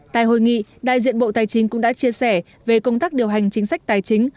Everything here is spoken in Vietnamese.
tại hội nghị đại diện bộ tài chính cũng đã chia sẻ về công tác điều hành chính sách tài chính